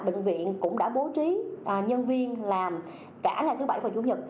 bệnh viện cũng đã bố trí nhân viên làm cả ngày thứ bảy và chủ nhật